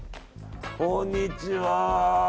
こんにちは。